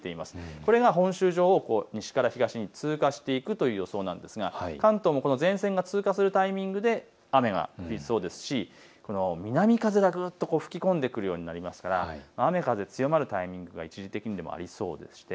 これが本州上、西から東に通過していくという予想なんですが関東もこの前線が通過するタイミングで雨が降りそうですし、南風がぐっと吹き込んでくるようなことになりますが雨風強まるタイミングが一時的にはありそうです。